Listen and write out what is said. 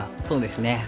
そうですね。